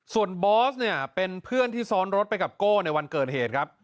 ส่วนบอสเนี่ยเป็นเพื่อนที่ซ้อนรถไปกับโก้ในวันเกิดเหตุครับ